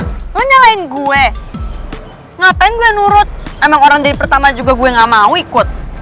mau nyalain gue ngapain gue nurut emang orang dari pertama juga gue gak mau ikut